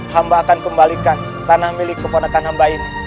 hamba akan kembalikan tanah milik keponakan hamba ini